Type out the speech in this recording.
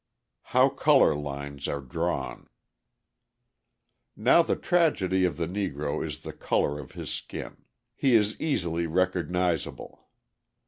How Colour Lines Are Drawn Now the tragedy of the Negro is the colour of his skin: he is easily recognisable.